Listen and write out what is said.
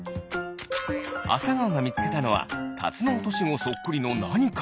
あさがおがみつけたのはタツノオトシゴそっくりのなにか。